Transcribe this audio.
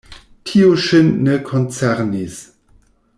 Tio ŝin ne koncernis.